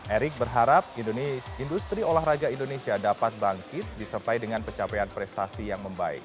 erick berharap industri olahraga indonesia dapat bangkit disertai dengan pencapaian prestasi yang membaik